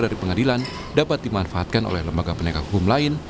dari pengadilan dapat dimanfaatkan oleh lembaga penegak hukum lain